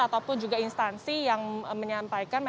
ataupun juga instansi yang menyampaikan